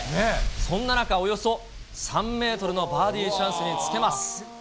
そんな中、およそ３メートルのバーディーチャンスにつけます。